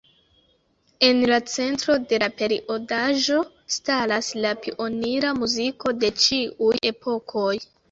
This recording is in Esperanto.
En la centro de la periodaĵo staras la pionira muziko de ĉiuj epokoj.